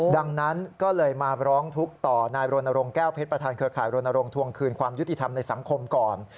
ดังนั้นก็เลยมาร้องทุกข์ต่อนายบรณรงค์แก้วเพชรประธานเครือข่ายรณรงค์ทวงคืนความยุติธรรมในสังคมก่อน